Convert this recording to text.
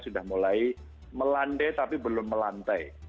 sudah mulai melandai tapi belum melantai